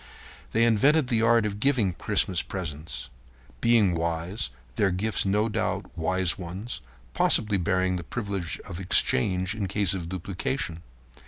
They invented the art of giving Christmas presents. Being wise, their gifts were no doubt wise ones, possibly bearing the privilege of exchange in case of duplication.